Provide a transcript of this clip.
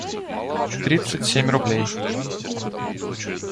тридцать семь рублей